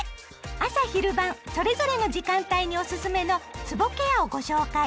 朝・昼・晩それぞれの時間帯におすすめのつぼケアをご紹介。